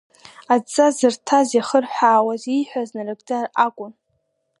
Адҵа зырҭаз иахырҳәаауаз, ииҳәаз нарыгӡар акәын.